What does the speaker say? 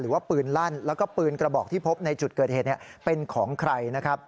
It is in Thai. ว่าปืนลั่นแล้วก็ปืนกระบอกที่พบในจุดเกิดเหตุเป็นของใครนะครับ